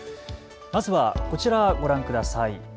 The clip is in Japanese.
まずはこちら、ご覧ください。